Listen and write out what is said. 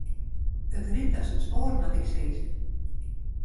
It rint as it spoar moat ik sizze.